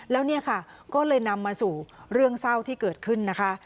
แล้วเนี่ยค่ะก็เลยนำมาสู่เรื่องเศร้าที่เกิดขึ้นนะคะ